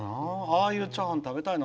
ああいうチャーハン、食べたいな。